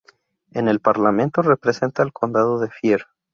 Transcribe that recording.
En el parlamento representa al Condado de Fier.